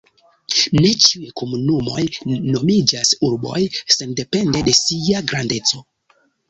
Ne ĉiuj komunumoj nomiĝas urboj, sendepende de sia grandeco.